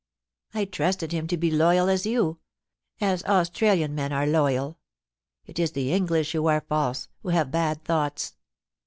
I trusted him to be loyal as you — as Australian men are loyal — it is the English who are false, who have bad thoughts.